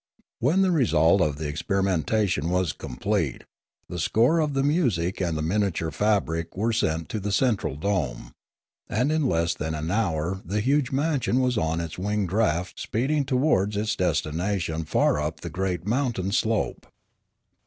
When the result of the experimentation was complete, the score of the music and the miniature fabric were sent to the central dome; and in less than an hour the huge mansion was on its winged raft speeding towards its destination far up the great mountain slope.